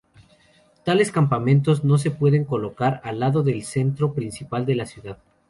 Tales campamentos no se pueden colocar al lado del centro principal de la ciudad.